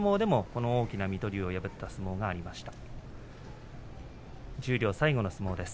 この大きな水戸龍を破った相撲がありました。